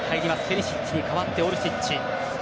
ペリシッチに代わってオルシッチ。